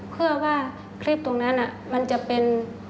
เพื่อว่าคลิปตรงนั้นมันจะเป็น